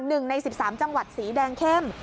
หนึ่งใน๑๓จังหวัดสีแดงเข้ม